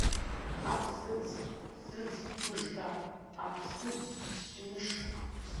Аԥсыӡ, ԥсыӡ мыжда, аԥсыӡ-џьныш!